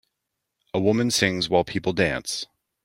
A woman sings while people dance.